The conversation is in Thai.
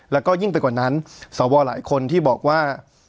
แล้วก็ยิ่งไปกว่านั้นสวหลายคนที่บอกว่า